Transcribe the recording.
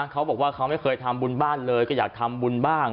เขาบอกว่าเขาไม่เคยทำบุญบ้านเลยก็อยากทำบุญบ้าง